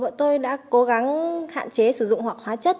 bọn tôi đã cố gắng hạn chế sử dụng hoặc hóa chất